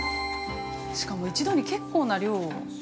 しかも一度に結構な量を。